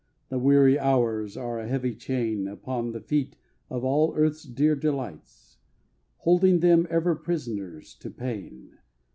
The weary hours are a heavy chain Upon the feet of all Earth's dear delights, Holding them ever prisoners to pain.